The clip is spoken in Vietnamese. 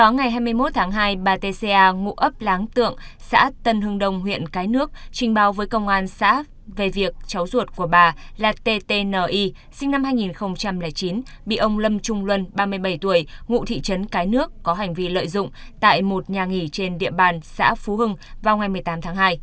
ngày hai mươi một tháng hai bà tê xea ngụ ấp láng tượng xã tân hưng đông huyện cái nước trình báo với công an xã về việc cháu ruột của bà là tti sinh năm hai nghìn chín bị ông lâm trung luân ba mươi bảy tuổi ngụ thị trấn cái nước có hành vi lợi dụng tại một nhà nghỉ trên địa bàn xã phú hưng vào ngày một mươi tám tháng hai